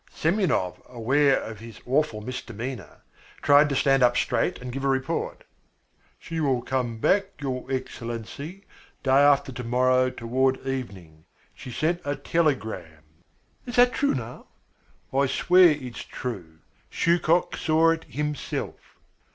Semyonov aware of his awful misdemeanour, tried to stand up straight and give a report. "She will come back, your Excellency, day after to morrow toward evening. She sent a telegram." "Is that true now?" "I swear it's true. Shuchok saw it himself."